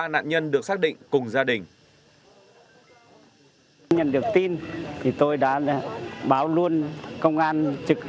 ba nạn nhân được xác định cùng gia đình